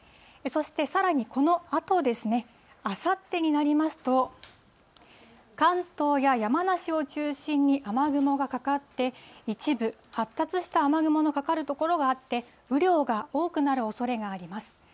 そしてさらにこのあとですね、あさってになりますと、関東や山梨を中心に雨雲がかかって、一部、発達した雨雲のかかる所があって、雨量が多くなるおそれがあります。